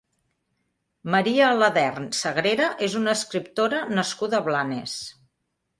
Maria Aladern Sagrera és una escriptora nascuda a Blanes.